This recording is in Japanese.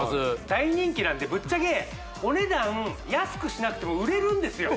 大人気なんでぶっちゃけお値段安くしなくても売れるんですよ